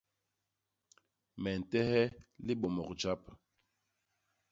Me ntehe libomok jap.